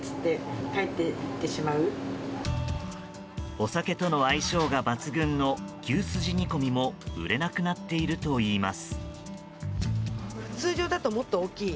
お酒との相性が抜群の牛スジ煮込みも売れなくなっているといいます。